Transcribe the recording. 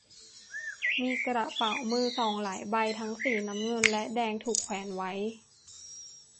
มีกระเป๋ามือสองหลายใบ ทั้งสีน้ำเงินและแดง ถูกแขวนไว้